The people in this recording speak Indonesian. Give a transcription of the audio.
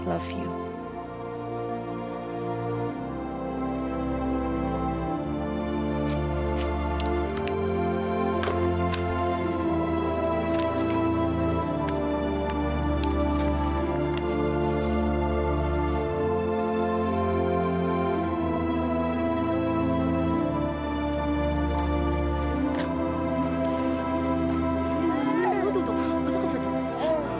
tuh tuh tuh